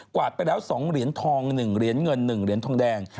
วาดไปแล้ว๒เหรียญทอง๑เหรียญเงิน๑เหรียญทองแดง